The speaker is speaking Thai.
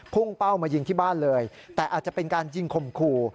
เป้ามายิงที่บ้านเลยแต่อาจจะเป็นการยิงข่มขู่